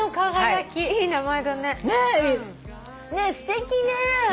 ねえすてきね！